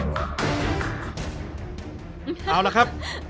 เชิญเอาอาหารของคุณออกมาข้างหน้าด้วยนะครับ